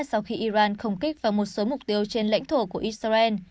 sau khi iran không kích vào một số mục tiêu trên lãnh thổ của israel